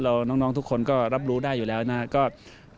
แล้วน้องทุกคนก็รับรู้ได้อยู่แล้วนะครับ